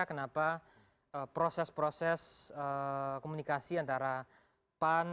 kenapa proses proses komunikasi antara pan